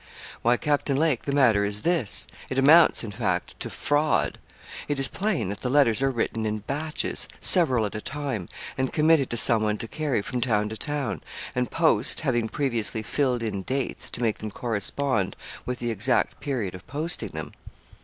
'Why, Captain Lake, the matter is this it amounts, in fact, to fraud. It is plain that the letters are written in batches several at a time and committed to some one to carry from town to town, and post, having previously filled in dates to make them correspond with the exact period of posting them.'